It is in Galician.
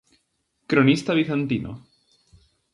Cronista bizantino.